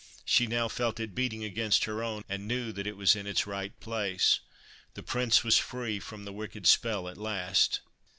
She now felt it beating against her own, and knew that it was in its right place. The Prince was free from the wicked spell at last.